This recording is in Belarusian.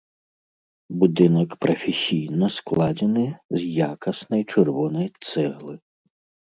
Будынак прафесійна складзены з якаснай чырвонай цэглы.